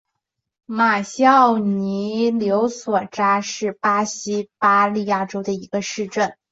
马西奥尼柳索扎是巴西巴伊亚州的一个市镇。